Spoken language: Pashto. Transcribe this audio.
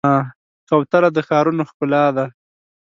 کوتره د ښارونو ښکلا ده.